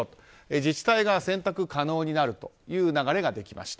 自治体が選択可能になるという流れができました。